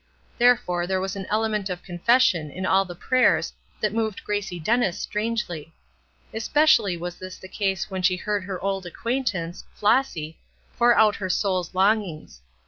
Therefore there was an element of confession in all the prayers that moved Gracie Dennis strangely. Especially was this the case when she heard her old acquaintance, Flossy, pour out her soul's longings.